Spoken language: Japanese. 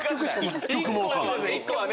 １曲も分かんない。